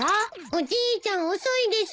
おじいちゃん遅いです。